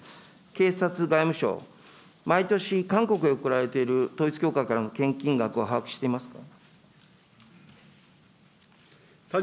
警察、外務省、毎年、韓国へ送られている統一教会からの献金額を把握していますか。